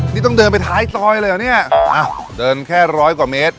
นี่ต้องเดินไปท้ายซอยเลยเหรอเนี่ยอ้าวเดินแค่ร้อยกว่าเมตร